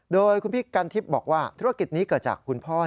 โดยคุณพี่กันทิพย์บอกว่าธุรกิจนี้เกิดจากคุณพ่อ